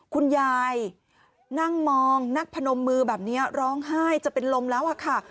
คุณยายนั่งมองนักพนมมือแบบนี้ร้องไห้จะเป็นลมแล้วอะค่ะ